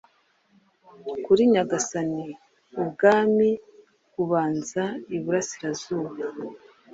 Kuri nyagasani ubwamiubanza iburasirazuba-